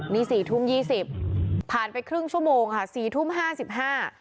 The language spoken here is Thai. นี่สี่ทุ่มยี่สิบผ่านไปครึ่งชั่วโมงค่ะสี่ทุ่มห้าสิบห้า